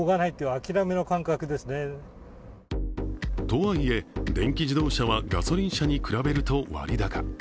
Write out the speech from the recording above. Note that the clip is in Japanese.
とはいえ、電気自動車はガソリン車に比べると割高。